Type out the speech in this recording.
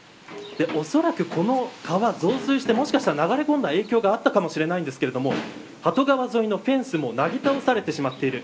おそらくこの川、増水して、もしかしたら流れ込んだ影響があったかもしれないんですが鳩川沿いのフェンスもなぎ倒されてしまっている。